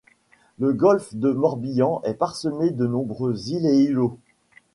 Le golfe du Morbihan est parsemé de nombreux îles et îlots.